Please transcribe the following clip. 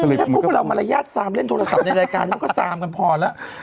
คือแค่พวกเรามารยาทซามเล่นโทรศัพท์ในรายการนั้นก็ซามกันพอแล้ว